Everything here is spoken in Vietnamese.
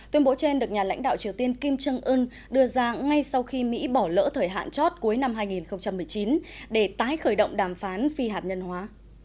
tuyên bố trên được nhà lãnh đạo triều tiên kim jong un đưa ra ngay sau khi mỹ bỏ lỡ thời hạn chót cuối năm hai nghìn một mươi chín để tái khởi động đàm phán phi hạt nhân hóa